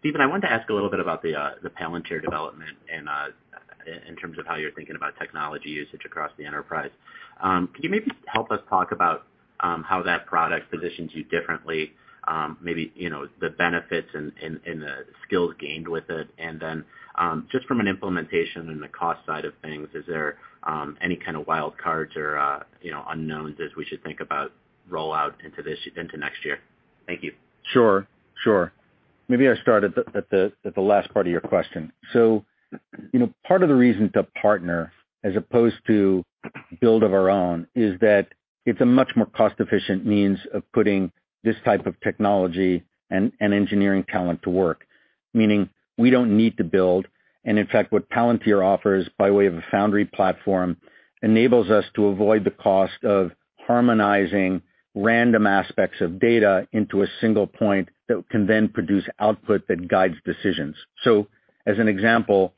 Stephen, I wanted to ask a little bit about the Palantir development and in terms of how you're thinking about technology usage across the enterprise. Could you maybe help us talk about how that product positions you differently, maybe, you know, the benefits and the skills gained with it? Just from an implementation and the cost side of things, is there any kind of wild cards or, you know, unknowns as we should think about rollout into next year? Thank you. Sure. Maybe I start at the last part of your question. You know, part of the reason to partner as opposed to build out our own is that it's a much more cost-efficient means of putting this type of technology and engineering talent to work. Meaning we don't need to build, and in fact, what Palantir offers by way of a Foundry platform enables us to avoid the cost of harmonizing random aspects of data into a single point that can then produce output that guides decisions. As an example,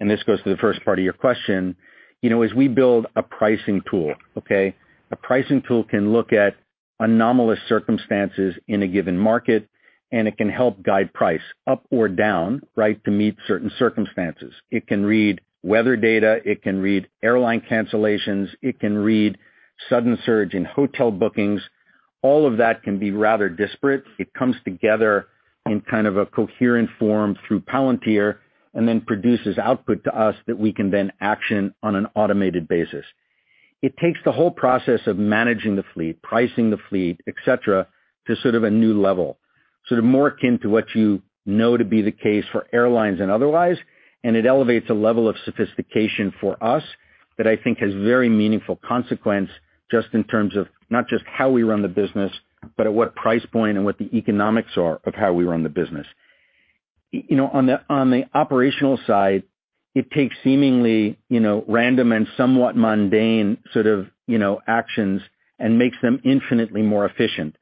and this goes to the first part of your question, you know, as we build a pricing tool, okay? A pricing tool can look at anomalous circumstances in a given market, and it can help guide price up or down, right, to meet certain circumstances. It can read weather data, it can read airline cancellations, it can read sudden surge in hotel bookings. All of that can be rather disparate. It comes together in kind of a coherent form through Palantir and then produces output to us that we can then action on an automated basis. It takes the whole process of managing the fleet, pricing the fleet, et cetera, to sort of a new level, sort of more akin to what you know to be the case for airlines and otherwise, and it elevates a level of sophistication for us that I think has very meaningful consequence, just in terms of not just how we run the business, but at what price point and what the economics are of how we run the business. You know, on the operational side, it takes seemingly, you know, random and somewhat mundane sort of, you know, actions and makes them infinitely more efficient.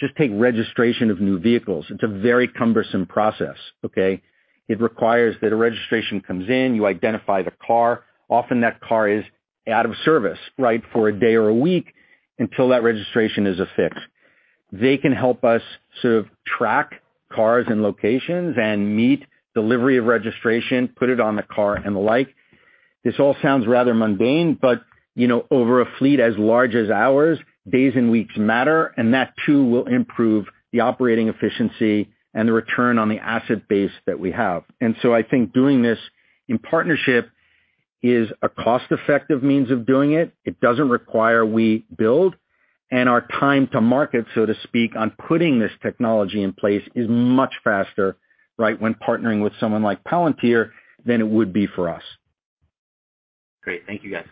Just take registration of new vehicles. It's a very cumbersome process, okay? It requires that a registration comes in, you identify the car. Often that car is out of service, right, for a day or a week until that registration is affixed. They can help us sort of track cars and locations and meet delivery of registration, put it on the car and the like. This all sounds rather mundane, but, you know, over a fleet as large as ours, days and weeks matter, and that too, will improve the operating efficiency and the return on the asset base that we have. I think doing this in partnership is a cost-effective means of doing it. It doesn't require we build, and our time to market, so to speak, on putting this technology in place is much faster, right, when partnering with someone like Palantir than it would be for us. Great. Thank you, guys.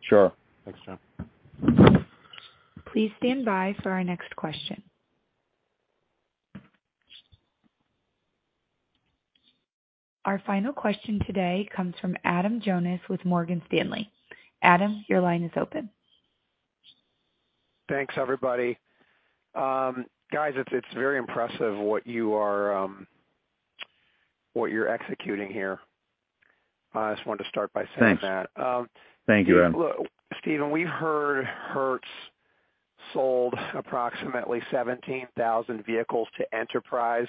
Sure. Thanks, John. Please stand by for our next question. Our final question today comes from Adam Jonas with Morgan Stanley. Adam, your line is open. Thanks, everybody. Guys, it's very impressive what you're executing here. I just wanted to start by saying that. Thanks. Thank you, Adam. Look, Stephen, we've heard Hertz sold approximately 17,000 vehicles to Enterprise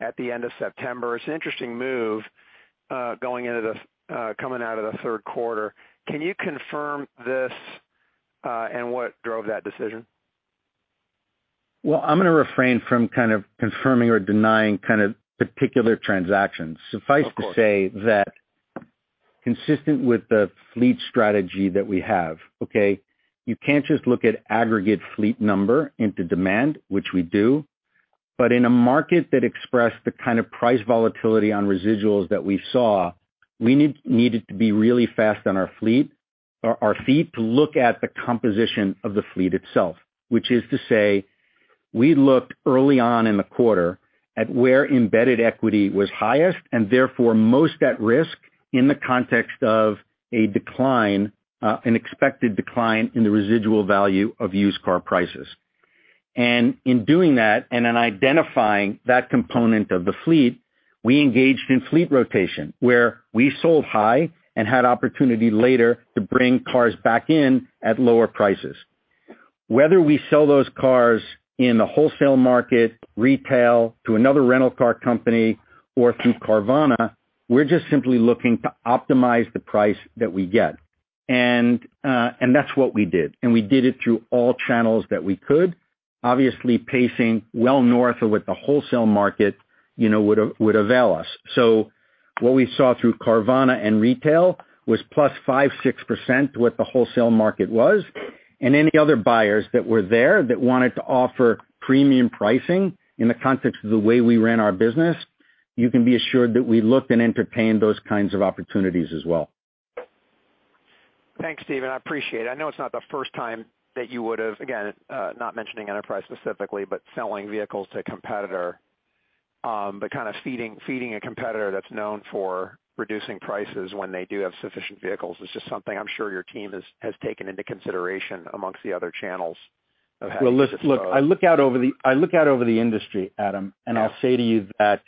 at the end of September. It's an interesting move, coming out of the third quarter. Can you confirm this, and what drove that decision? Well, I'm gonna refrain from kind of confirming or denying kind of particular transactions. Of course. Suffice to say that consistent with the fleet strategy that we have, okay? You can't just look at aggregate fleet number into demand, which we do. In a market that expressed the kind of price volatility on residuals that we saw, we needed to be really fast on our feet to look at the composition of the fleet itself, which is to say we looked early on in the quarter at where embedded equity was highest and therefore most at risk in the context of a decline, an expected decline in the residual value of used car prices. In doing that and in identifying that component of the fleet, we engaged in fleet rotation where we sold high and had opportunity later to bring cars back in at lower prices. Whether we sell those cars in the wholesale market, retail, to another rental car company or through Carvana, we're just simply looking to optimize the price that we get. That's what we did, and we did it through all channels that we could, obviously pacing well north of what the wholesale market, you know, would avail us. What we saw through Carvana and retail was +5%-6% what the wholesale market was. Any other buyers that were there that wanted to offer premium pricing in the context of the way we ran our business, you can be assured that we looked and entertained those kinds of opportunities as well. Thanks, Stephen. I appreciate it. I know it's not the first time that you would have, again, not mentioning Enterprise specifically, but selling vehicles to a competitor, but kind of feeding a competitor that's known for reducing prices when they do have sufficient vehicles. It's just something I'm sure your team has taken into consideration among the other channels of how you dispose. Well, look, I look out over the industry, Adam, and I'll say to you that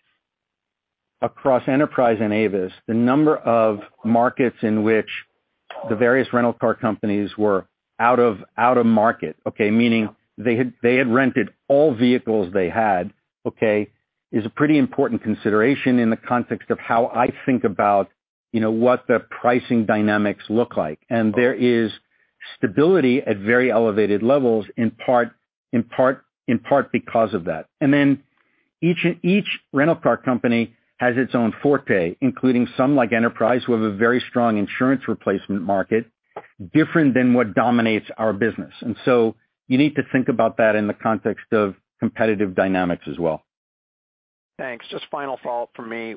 across Enterprise and Avis, the number of markets in which the various rental car companies were out of market, okay? Meaning they had rented all vehicles they had, okay, is a pretty important consideration in the context of how I think about, you know, what the pricing dynamics look like. There is stability at very elevated levels in part because of that. Then each rental car company has its own forte, including some like Enterprise, who have a very strong insurance replacement market, different than what dominates our business. You need to think about that in the context of competitive dynamics as well. Thanks. Just final thought from me.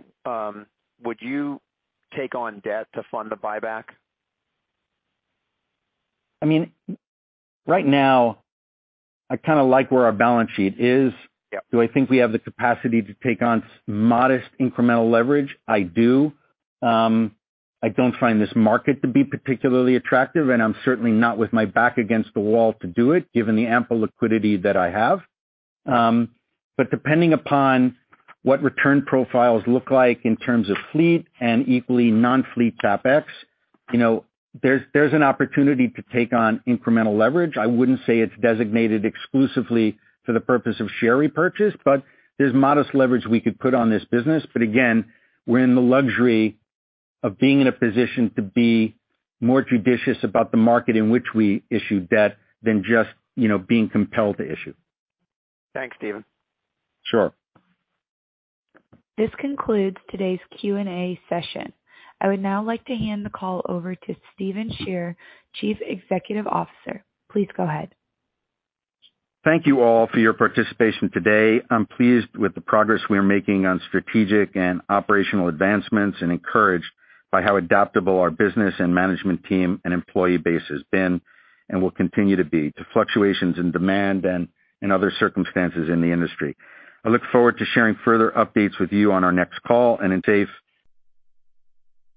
Would you take on debt to fund a buyback? I mean, right now, I kind of like where our balance sheet is. Yeah. Do I think we have the capacity to take on modest incremental leverage? I do. I don't find this market to be particularly attractive, and I'm certainly not with my back against the wall to do it, given the ample liquidity that I have. Depending upon what return profiles look like in terms of fleet and equally non-fleet CapEx, you know, there's an opportunity to take on incremental leverage. I wouldn't say it's designated exclusively for the purpose of share repurchase, but there's modest leverage we could put on this business. Again, we're in the luxury of being in a position to be more judicious about the market in which we issue debt than just, you know, being compelled to issue. Thanks, Stephen. Sure. This concludes today's Q&A session. I would now like to hand the call over to Stephen Scherr, Chief Executive Officer. Please go ahead. Thank you all for your participation today. I'm pleased with the progress we are making on strategic and operational advancements and encouraged by how adaptable our business and management team and employee base has been and will continue to be to fluctuations in demand and in other circumstances in the industry. I look forward to sharing further updates with you on our next call.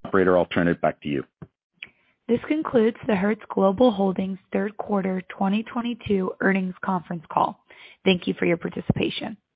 Operator, I'll turn it back to you. This concludes the Hertz Global Holdings third quarter 2022 earnings conference call. Thank you for your participation.